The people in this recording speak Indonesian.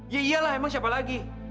ya iyalah emang siapa lagi